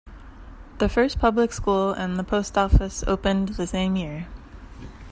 The first public school and the post office opened the same year.